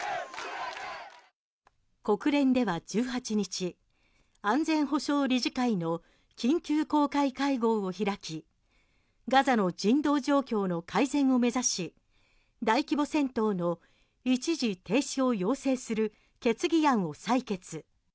国連では１８日安全保障理事会の緊急公開会合を開きガザの人道状況の改善を目指し大規模戦闘の一時停止を要請する決議案を採決。